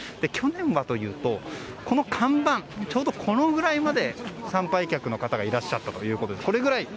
去年はというと看板、ちょうどこのくらいまで参拝客の方がいらっしゃったということで。